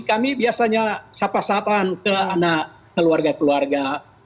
kami biasanya sapa sapaan ke anak keluarga keluarga